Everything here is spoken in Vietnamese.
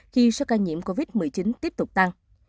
khi số ca nhiễm covid một mươi chín tiếp tục tăng